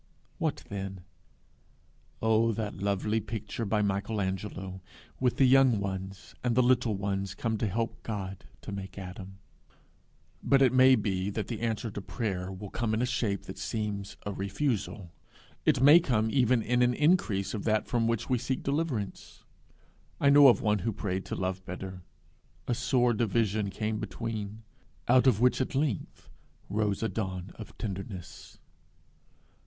what then? Oh that lovely picture by Michelangelo, with the young ones and the little ones come to help God to make Adam! But it may be that the answer to prayer will come in a shape that seems a refusal. It may come even in an increase of that from which we seek deliverance. I know of one who prayed to love better: a sore division came between out of which at length rose a dawn of tenderness.